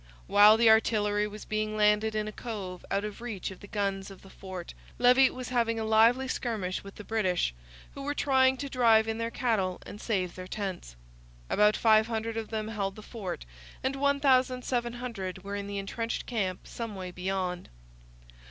While the artillery was being landed in a cove out of reach of the guns of the fort Levis was having a lively skirmish with the British, who were trying to drive in their cattle and save their tents. About 500 of them held the fort, and 1,700 were in the entrenched camp some way beyond.